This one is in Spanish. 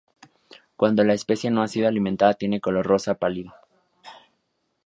Cuándo la especie no ha sido alimentada tiene un color rosa pálido.